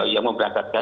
ya mau berangkatkan